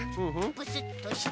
ブスッとして。